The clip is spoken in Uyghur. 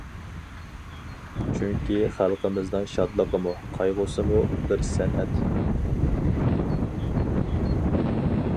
چۈنكى خەلقىمىزنىڭ شادلىقىمۇ، قايغۇسىمۇ بىر سەنئەت.